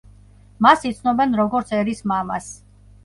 მას იცნობენ, როგორც „ერის მამას“.